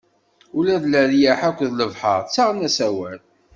Ula d leryaḥ akked lebḥeṛ ttaɣen-as awal!